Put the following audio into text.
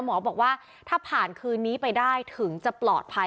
หมอบอกว่าถ้าผ่านคืนนี้ไปได้ถึงจะปลอดภัย